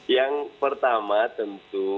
yang pertama tentu